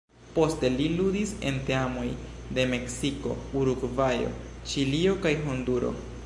Poste li ludis en teamoj de Meksiko, Urugvajo, Ĉilio kaj Honduro.